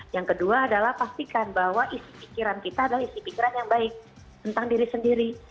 yang kedua adalah pastikan bahwa isi pikiran kita adalah isi pikiran yang baik tentang diri sendiri